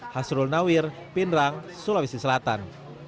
hasrul nawir pindrang sulawesi selatan